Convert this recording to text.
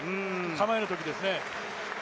構えるときですね。